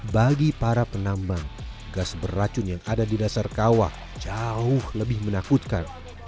bagi para penambang gas beracun yang ada di dasar kawah jauh lebih menakutkan